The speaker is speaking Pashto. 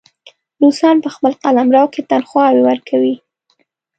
روسان په خپل قلمرو کې تنخواوې ورکوي.